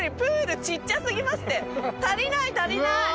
足りない足りない。